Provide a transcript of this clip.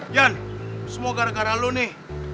ian semua gara gara lo nih